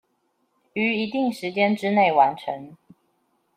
於一定時間之内完成